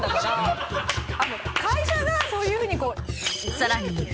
会社がそういうふうに。